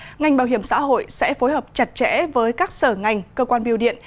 điều đã đề ra ngành bảo hiểm xã hội sẽ phối hợp chặt chẽ với các sở ngành cơ quan biêu điện